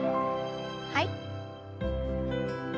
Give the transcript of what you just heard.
はい。